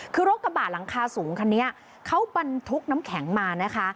คือรถกระบะหลังคาสูงคันนี้เขาบรรทุกน้ำแข็งมานะคะ